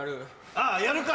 ああやるか。